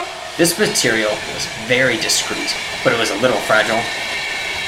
This material was very discreet but it was a little fragile.